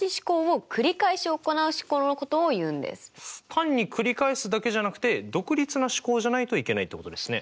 単にくり返すだけじゃなくて独立な試行じゃないといけないってことですね。